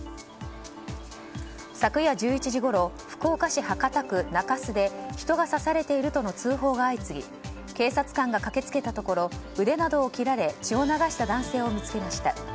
昨夜１１時ごろ福岡市博多区中洲で人が刺されているとの通報が相次ぎ警察官が駆け付けたところ腕などを切られ血を流した男性を見つけました。